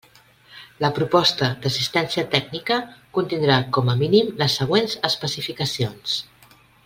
La proposta d'assistència tècnica contindrà com a mínim, les següents especificacions.